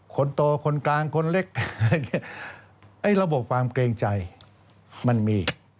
คนโตคนกลางคนเล็กระบบความเกรงใจมันมี